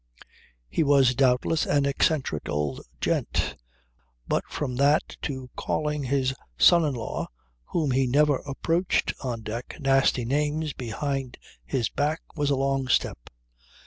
He was doubtless an eccentric old gent. But from that to calling his son in law (whom he never approached on deck) nasty names behind his back was a long step.